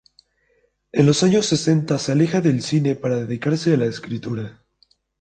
En los años setenta se aleja del cine para dedicarse a la escritura.